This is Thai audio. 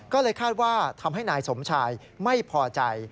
ก็เลยคาดว่าทำให้นายสมชายไม่พอใจ